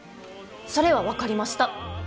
それは分かりました！